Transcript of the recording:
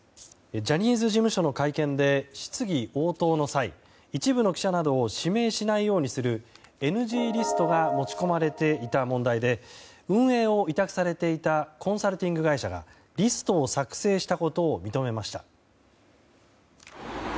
ジャニーズ事務所の会見で質疑応答の際一部の記者などを指名しないようにするＮＧリストが持ち込まれていた問題で運営を委託されていたコンサルティング会社がリストを作成したことを認めました。